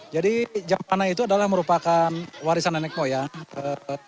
jadi jampana itu adalah merupakan warisan nenek moyang